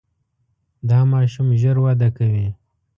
دا ماشوم ژر وده کوي.